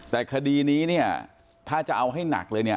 แต่คดีนี้เนี่ยถ้าจะเอาให้หนักเลยเนี่ย